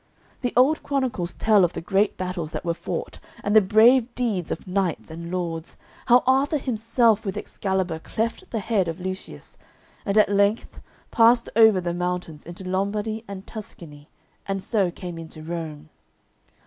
The old chronicles tell of the great battles that were fought and the brave deeds of knights and lords, how Arthur himself with Excalibur cleft the head of Lucius, and at length passed over the mountains into Lombardy and Tuscany, and so came into Rome.